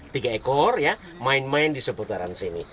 tiga ekor ya main main di seputaran sini